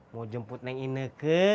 mau jemput neng inaga